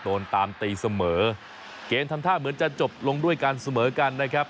โดนตามตีเสมอเกมทำท่าเหมือนจะจบลงด้วยการเสมอกันนะครับ